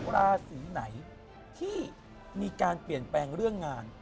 ราศีไหนที่มีการเปลี่ยนแปลงเรื่องงาน